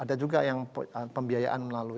ada juga yang pembiayaan melalui bank syariah